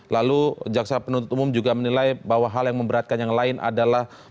lalu jaksa penuntut umum juga menilai bahwa hal yang memberatkan yang lain adalah